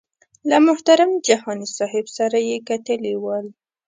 له محترم جهاني صاحب سره یې کتلي ول.